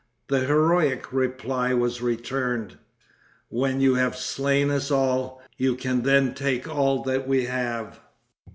The heroic reply was returned, "When you have slain us all, you can then take all that we have."